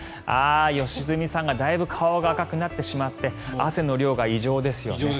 良純さんがだいぶ顔が赤くなってしまって汗の量が異常ですよね。